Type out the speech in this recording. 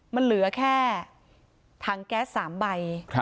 มันเหลือแค่ถังแก๊ส๓ใบ